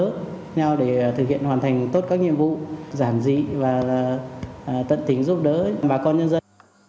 cùng nhau để thực hiện hoàn thành tốt các nhiệm vụ giảm dị và tận tính giúp đỡ bà con nhân dân